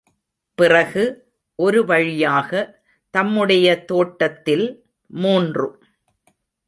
பிறகு, ஒரு வழியாக, தம்முடைய தோட்டத்தில் மூன்று.